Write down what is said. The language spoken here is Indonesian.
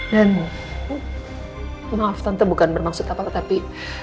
dan maaf tante bukan bermaksud apa apa tapi